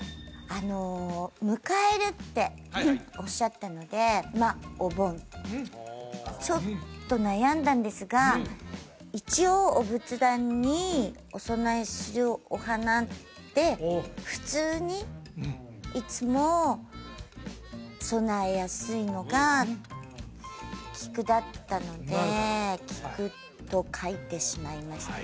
あの迎えるっておっしゃったのでまあお盆ちょっと悩んだんですが一応お仏壇にお供えするお花で普通にいつも供えやすいのが菊だったので菊と書いてしまいました